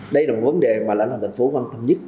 đây là một vấn đề mà lãnh đạo thành phố quan tâm nhất